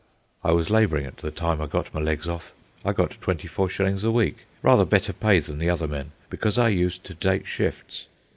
I was labouring at the time I got my legs off. I got twenty four shillings a week, rather better pay than the other men, because I used to take shifts.